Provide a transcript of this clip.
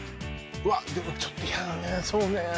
うわっでもちょっとそうね